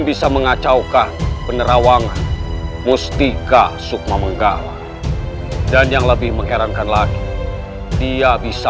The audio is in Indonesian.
bisa mengacaukan penerawangan mustika sukmamenggala dan yang lebih mengherankan lagi dia bisa